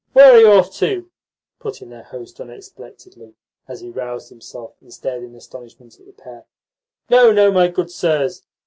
"Where are you off to?" put in their host unexpectedly as he roused himself and stared in astonishment at the pair. "No, no, my good sirs.